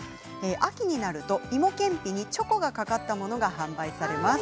秋になると、いもけんぴにチョコがかかったものが販売されます。